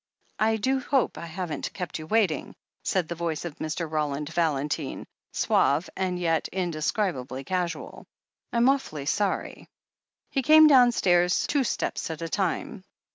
"I do hope I haven't kept you waiting," said the voice of Mr. Roland Valentine, suave and yet inde scribably casual. "I'm awfully sorry." He came downstairs two steps at a time.